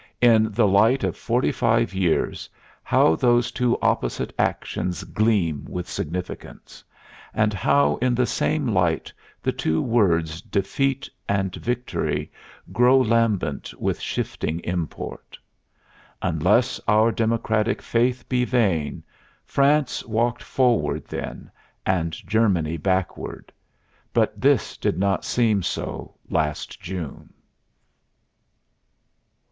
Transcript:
In the light of forty five years how those two opposite actions gleam with significance, and how in the same light the two words defeat and victory grow lambent with shifting import! Unless our democratic faith be vain, France walked forward then, and Germany backward. But this did not seem so last June.